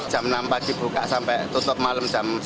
jam enam pagi buka sampai tutup malam jam sembilan